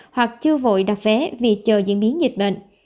hoặc chưa vội đặt vé vì chờ diễn biến dịch bệnh